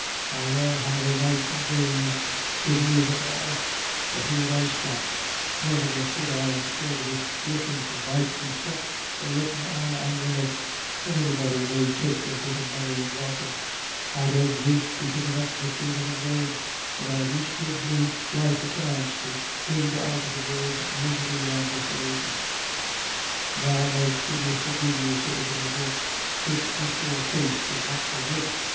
I dunno how many nights and days it is at all but here I'll stop; niver a fut I'll stir to be lookin' for bite or sup, or lettin' on I'm in it and anybody may take the bit of money and welcome; I'd as lief be pickin' up the dirt on the road for I'll just give me life a chance to ind out of the world's misery and disolation." "Now, may goodness forgive you," said the widow M'Gurk, "it's a poor case to want the wit.